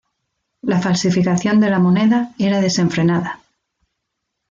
La falsificación de la moneda era desenfrenada.